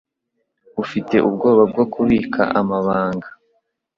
Ufite ubwoba bwo kubika amabanga.